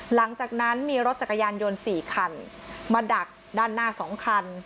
หลังจากนั้นมีรถจักรยานยนต์๔คันมาดักด้านหน้า๒คัน